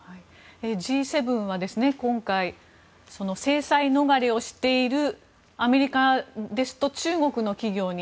Ｇ７は今回制裁逃れをしているアメリカですと中国の企業に。